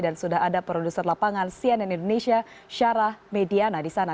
dan sudah ada produser lapangan cnn indonesia syarah mediana di sana